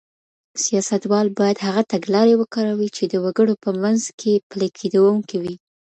سیاستوال باید هغه تګلارې وکاروي چې د وګړو په منځ کې پلي کېدونکې وي.